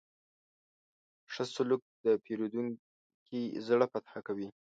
ښه سلوک د پیرودونکي زړه فتح کوي.